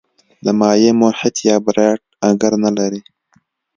د مایع محیط یا براټ اګر نه لري.